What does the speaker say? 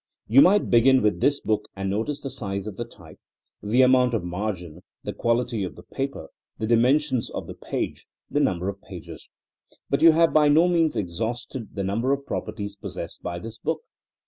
You might begin with this book and no tice the size of the type, the amount of mar gin, the quality of the paper, the dimensions of tie page, the number of pages. But you have by no means exhausted the number of proper ties possessed by this book.